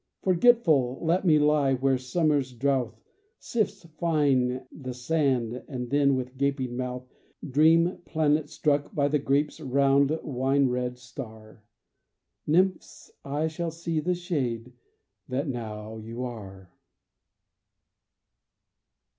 Forgetful let me lie where summer's drouth Sifts fine the sand and then with gaping mouth Dream planet struck by the grape's round wine red star. Nymphs, I shall see the shade that now you are.